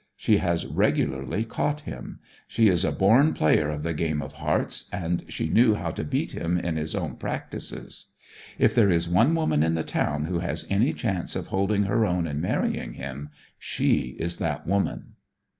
She has regularly caught him. She is a born player of the game of hearts, and she knew how to beat him in his own practices. If there is one woman in the town who has any chance of holding her own and marrying him, she is that woman.'